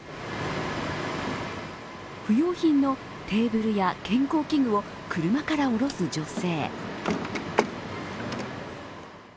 不用品のテーブルや健康器具を車からおろす女性。